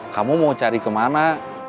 kamu mau cari kemana